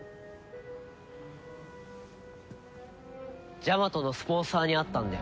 ジャマトのスポンサーに会ったんだよ。